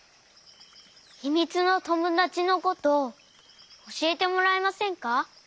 ひみつのともだちのことおしえてもらえませんか？